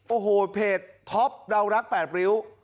โอ้โหเพจท็อปเรารัก๘ริ้ว